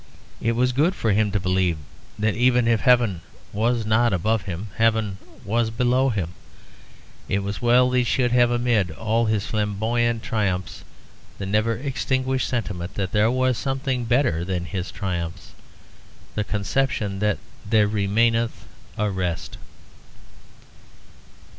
It was good for him to believe that even if heaven was not above him, heaven was below him. It was well that he should have amid all his flamboyant triumphs the never extinguished sentiment that there was something better than his triumphs, the conception that 'there remaineth a rest.'